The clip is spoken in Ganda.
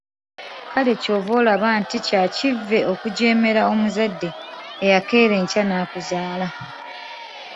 Kale ky'ova olaba nti kya kivve okujeemera omuzadde eyakeera enkya n'akuzaala.